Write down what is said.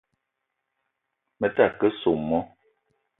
Me ta ke soo moo